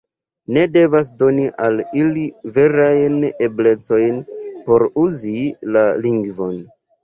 Ni devas doni al ili verajn eblecojn por uzi la lingvon.